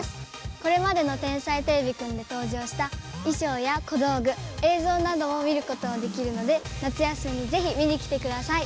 これまでの「天才てれびくん」で登場した衣装や小道具映像なども見ることもできるので夏休みぜひ見にきてください。